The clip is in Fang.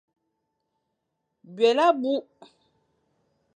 Byelé abukh.